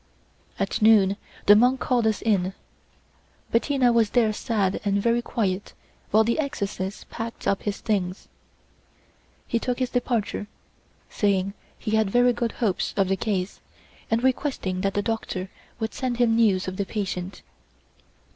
At noon the monk called us in. Bettina was there sad and very quiet while the exorcist packed up his things. He took his departure, saying he had very good hopes of the case, and requesting that the doctor would send him news of the patient.